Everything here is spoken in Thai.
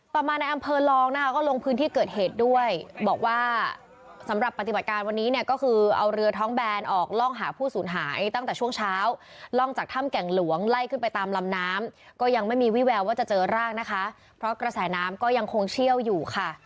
ต่อมาในอำเภอลองนะคะก็ลงพื้นที่เกิดเหตุด้วยบอกว่าสำหรับปฏิบัติการวันนี้เนี่ยก็คือเอาเรือท้องแบนออกล่องหาผู้สูญหายตั้งแต่ช่วงเช้าล่องจากถ้ำแก่งหลวงไล่ขึ้นไปตามลำน้ำก็ยังไม่มีวิแววว่าจะเจอร่างนะคะเพราะกระแสน้ำก็ยังคงเชี่ยวอยู่ค่ะ